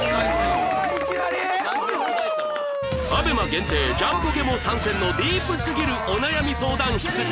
ＡＢＥＭＡ 限定ジャンポケも参戦のディープすぎるお悩み相談室